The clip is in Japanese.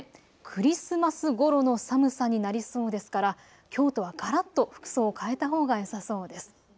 クリスマスごろの寒さになりそうですからきょうとはがらっと服装を変えたほうがよさそうです。